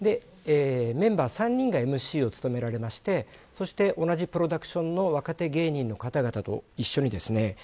メンバー３人がＭＣを務められまして同じプロダクションの若手芸人の方々と一緒にですね